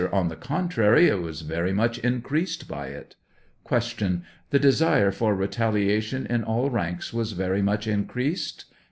On the contrary, it was very much increased by it. Q. The desire for retaliation in all ranks was very much increased